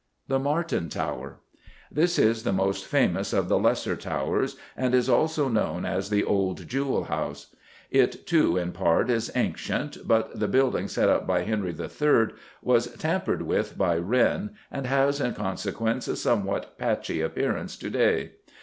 The Martin Tower. This is the most famous of the lesser towers, and is also known as the old Jewel House. It, too, in part is ancient, but the building set up by Henry III. was tampered with by Wren, and has, in consequence, a somewhat patchy appearance to day.